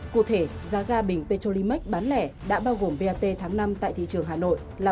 cụ thể giá ga bình petrolimax bán lẻ đã bao gồm vat tháng năm tại thị trường hà nội là